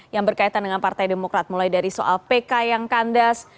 yang berkaitan dengan partai demokrat mulai dari soal pk yang kandas